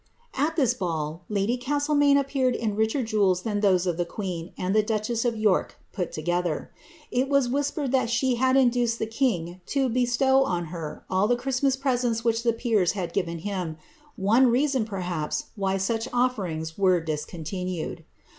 ' lis ball lady Castlemaine appeared in richer jewels than those of sen and the duchess of York put together. It was whispered e had induced the king to bestow on her all the Christmas pre hich the peers had given him ; one reason, perhaps, why such :s were discontinued.